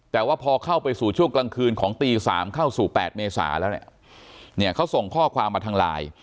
แต่ว่าพอเข้าไปสู่ช่วงกลางคืนของตี๓เข้าสู่๘เมษาแล้วเนี่ยเขาส่งข้อความมาทางไลน์